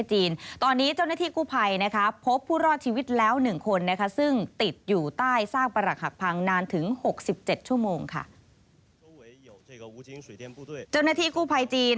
เจ้าหน้าที่กู้ภัยจีน